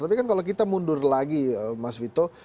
tapi kan kalau kita mundur lagi mas vito